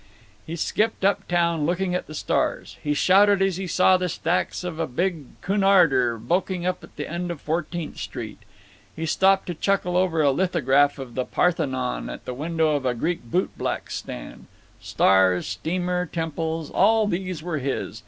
He skipped up town, looking at the stars. He shouted as he saw the stacks of a big Cunarder bulking up at the end of Fourteenth Street. He stopped to chuckle over a lithograph of the Parthenon at the window of a Greek bootblack's stand. Stars—steamer—temples, all these were his.